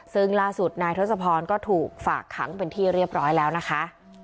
ซึ่งล่าสุดนายทศพรก็ถูกฝากขังเป็นที่เรียบร้อยแล้วนะคะ